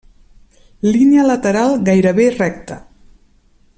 Línia lateral gairebé recta.